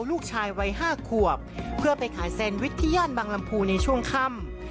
ลูกชายวัย๕ขวบเพื่อไปขายแซนวิชที่ย่านบางลำพูในช่วงค่ำ